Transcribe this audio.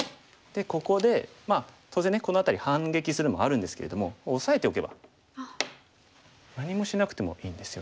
ここでまあ当然ねこの辺り反撃するのもあるんですけれどもオサえておけば何もしなくてもいいんですよね。